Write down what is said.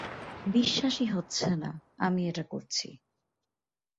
বিশ্বাসই হচ্ছে না আমি এটা করছি।